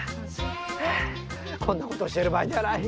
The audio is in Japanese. こんなことをしてる場合じゃない。